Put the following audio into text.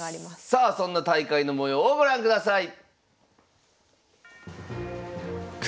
さあそんな大会の模様をご覧ください。